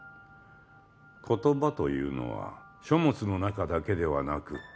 言葉というのは書物の中だけではなく